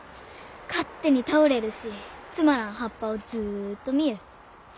勝手に倒れるしつまらん葉っぱをずっと見ゆう。